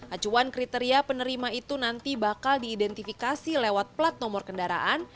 acuan kriteria penerima itu nanti bakal diidentifikasi lewat plat nomor kendaraan